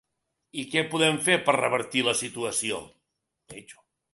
I què podem fer per revertir la situació?